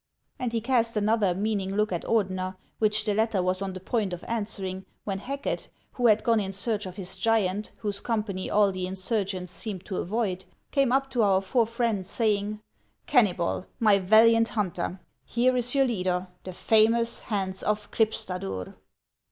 And he cast another meaning look at Ordener, which the latter was on the point of answering, when Hacket, who had gone in search of his giant, whose company all the insurgents seemed to avoid, came up to our four friends, saying: "Kennybol, my valiant hunter, here is your leader, the famous Hans of Klipstadur